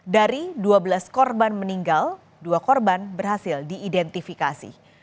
dari dua belas korban meninggal dua korban berhasil diidentifikasi